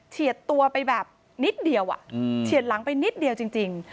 ตัวไปแบบนิดเดียวเฉียดหลังไปนิดเดียวจริง